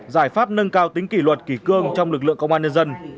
giải pháp nâng cao tính kỷ luật kỷ cương trong lực lượng công an nhân dân